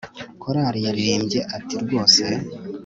korali yaririmbye ati 'rwose